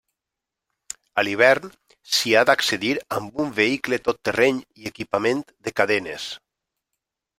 A l'hivern s'hi ha d'accedir amb un vehicle tot terreny i equipament de cadenes.